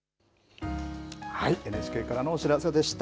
ＮＨＫからのお知らせでした。